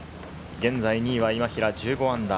現在２位は今平、−１５。